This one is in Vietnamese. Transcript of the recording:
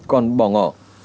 còn bỏ ngỏ